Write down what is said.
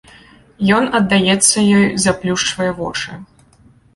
Ён аддаецца ёй, заплюшчвае вочы.